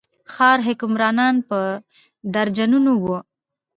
ښار حکمرانان په درجنونو وو.